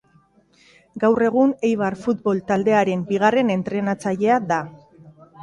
Gaur egun Eibar futbol taldearen bigarren entrenatzailea da.